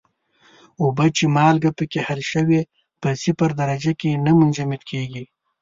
اوبه چې مالګه پکې حل شوې په صفر درجه کې نه منجمد کیږي.